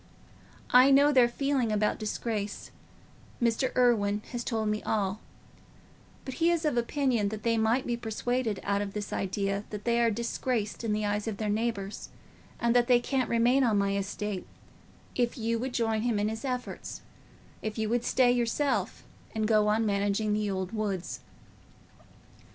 I know their feeling about disgrace—Mr. Irwine has told me all; but he is of opinion that they might be persuaded out of this idea that they are disgraced in the eyes of their neighbours, and that they can't remain on my estate, if you would join him in his efforts—if you would stay yourself and go on managing the old woods."